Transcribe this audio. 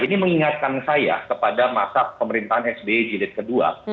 ini mengingatkan saya kepada masa pemerintahan sby jilid kedua